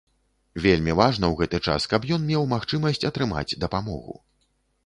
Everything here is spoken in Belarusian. Вельмі важна ў гэты час, каб ён меў магчымасць атрымаць дапамогу.